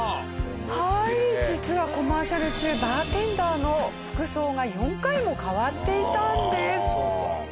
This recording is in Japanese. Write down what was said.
はい実はコマーシャル中バーテンダーの服装が４回も変わっていたんです。